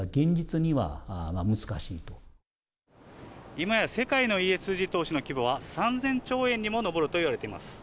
今や世界のＥＳＧ投資の規模は３０００兆円にも上ると言われています。